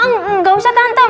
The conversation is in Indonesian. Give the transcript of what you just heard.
enggak usah tante